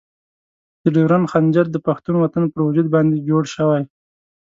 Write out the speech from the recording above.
د ډیورنډ خنجر د پښتون وطن پر وجود باندې جوړ شوی.